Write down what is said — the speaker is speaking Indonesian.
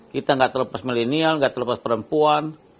kita gak terlepas milenial gak terlepas perempuan